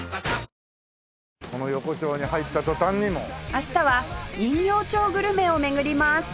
明日は人形町グルメを巡ります